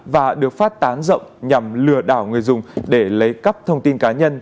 và được phát tán rộng nhằm lừa đảo người dùng để lấy cắp thông tin cá nhân